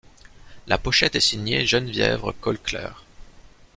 La pochette est signée Geneviève Gauckler.